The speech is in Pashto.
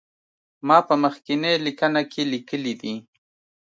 ما په مخکینی لیکنه کې لیکلي دي.